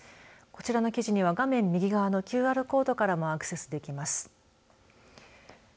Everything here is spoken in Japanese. こちらの記事には画面右側のＱＲコードからもアクセスできます。